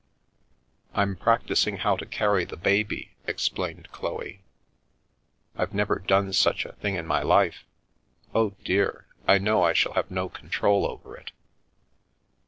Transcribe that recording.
" I'm practising how to carry the baby," explained Chloe. " I've never done such a thing in my life. Oh, dear, I know I shall have no control over it